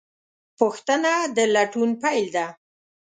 پوښتنه د لټون پیل ده.